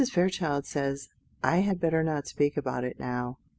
Fairchild says I had better not speak about it now."